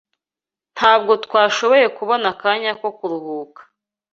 Ntabwo twashoboye kubona akanya ko kuruhuka